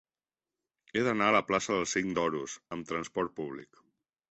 He d'anar a la plaça del Cinc d'Oros amb trasport públic.